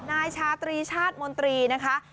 นายชาตรีชาติมนตรีนะคะ